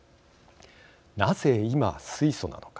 なぜ今、水素なのか。